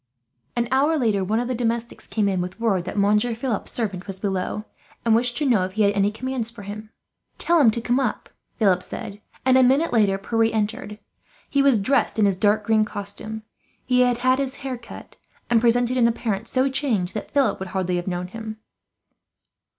An hour later one of the domestics came in, with word that Monsieur Philip's servant was below, and wished to know if he had any commands for him. "Tell him to come up," Philip said, and a minute later Pierre entered. He was dressed in his dark green costume. He had had his hair cut, and presented an appearance so changed that Philip would hardly have known him.